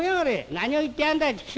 「何を言ってやがんだい畜生。